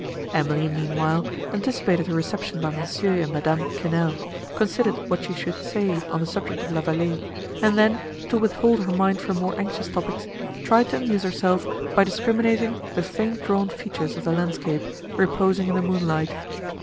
Emily, meanwhile, anticipated her reception by Mons, and Madame Quesnel; considered what she should say on the subject of La Vallée; and then, to withhold her mind from more anxious topics, tried to amuse herself by discriminating the faint drawn features of the landscape, reposing in the moonlight.